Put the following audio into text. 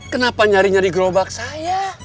kenapa nyari nyari gerobak saya